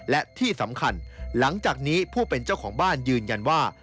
และที่สำคัญหลังจากนี้ผู้เป็นเจ้าของบ้านยืนยันว่า